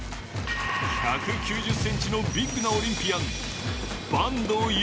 １９０ｃｍのビッグなオリンピアン、坂東悠